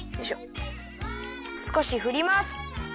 すこしふります。